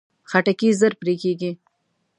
خټکی ژر پرې کېږي.